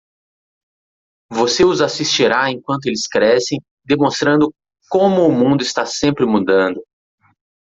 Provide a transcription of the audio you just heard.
Você os assistirá enquanto eles crescem demonstrando como o mundo está sempre mudando.